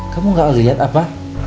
kamu gak ngeliat apa